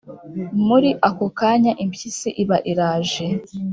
Muri ako kanya impyisi iba iraje